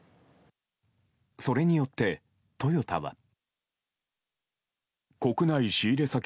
それによって、トヨタは。